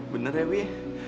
bener ya wi